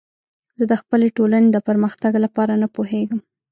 زه د خپلې ټولنې د پرمختګ لپاره نه پوهیږم.